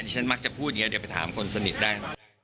ฉันมักจะพูดอย่างนี้เดี๋ยวไปถามคนสนิทได้นะ